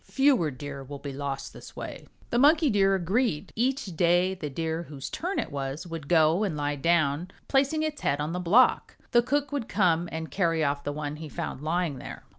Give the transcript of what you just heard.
Fewer Deer will be lost this way." The Monkey Deer agreed. Each day the Deer whose turn it was would go and lie down, placing its 59 6o BANYAN DEER head on the block. The cook would come and carry off the one he found lying there.